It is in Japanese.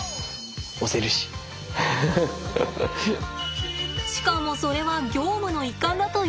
しかもそれは業務の一環だというのです。